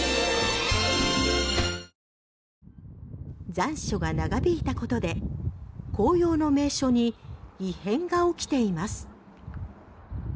残暑が長引いたことで紅葉の名所に異変が起きています。